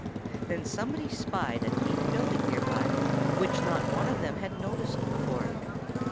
Then somebody spied a neat building near by, which not one of them had noticed before.